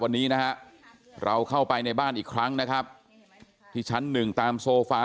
วันนี้นะฮะเราเข้าไปในบ้านอีกครั้งนะครับที่ชั้นหนึ่งตามโซฟา